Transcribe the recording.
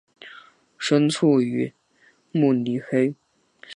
生卒于慕尼黑。